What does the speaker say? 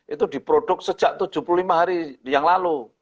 itu diproduk sejak tujuh puluh lima hari yang lalu